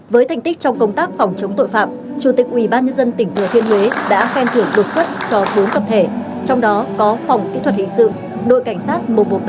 với thành tích trong công tác phòng chống tội phạm chủ tịch ubnd tỉnh thừa thiên huế đã khen thưởng đột xuất cho bốn tập thể trong đó có phòng kỹ thuật hình sự đội cảnh sát một trăm một mươi ba